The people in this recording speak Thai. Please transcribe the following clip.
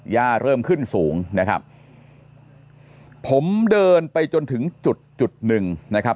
เริ่มขึ้นสูงนะครับผมเดินไปจนถึงจุดจุดหนึ่งนะครับ